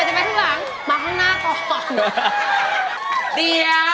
ไม่ไป